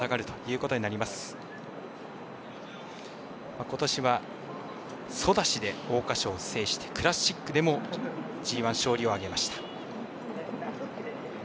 ことしはソダシで桜花賞を制してクラシックでもＧＩ勝利を挙げました。